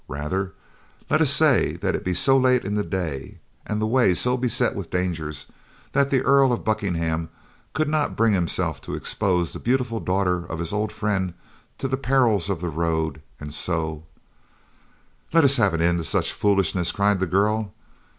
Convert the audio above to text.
"Rather let us say that it be so late in the day, and the way so beset with dangers that the Earl of Buckingham could not bring himself to expose the beautiful daughter of his old friend to the perils of the road, and so—" "Let us have an end to such foolishness," cried the girl.